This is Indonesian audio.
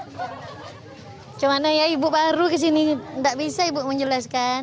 bagaimana ya ibu baru ke sini tidak bisa ibu menjelaskan